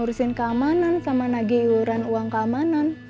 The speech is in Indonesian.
ngurusin keamanan sama nagi iuran uang keamanan